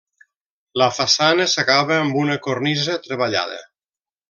La façana s'acaba amb una cornisa treballada.